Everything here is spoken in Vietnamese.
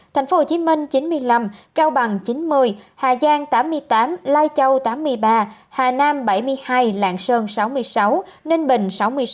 tp hcm chín mươi năm cao bằng chín mươi hà giang tám mươi tám lai châu tám mươi ba hà nam bảy mươi hai lạng sơn sáu mươi sáu ninh bình sáu mươi sáu